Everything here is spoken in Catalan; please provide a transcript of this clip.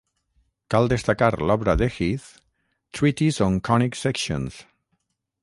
Cal destacar l'obra de Heath "Treatise on Conic Sections".